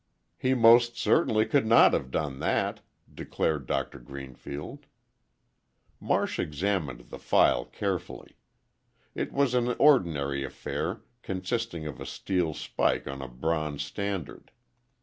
"He most certainly could not have done that!" declared Doctor Greenfield. Marsh examined the file carefully. It was an ordinary affair consisting of a steel spike on a bronze standard.